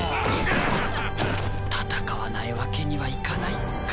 戦わないわけにはいかないか。